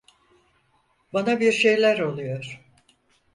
Bana bir şeyler oluyor.